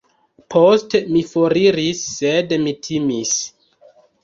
Poste mi foriris, sed mi timis.